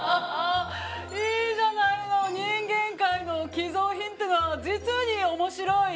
いいじゃないの人間界の寄贈品ってのは実に面白い！